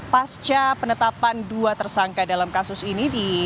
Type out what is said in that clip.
pasca penetapan dua tersangka dalam kasus ini di hari ini